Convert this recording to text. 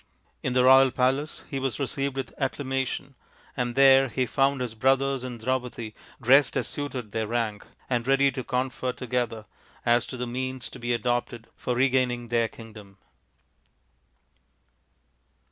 In the royal palace he was received with acclama tion, and there he found his brothers and Draupadi dressed as suited their rank, and ready to confer together as to the means to be adopted for regaining their kingdom.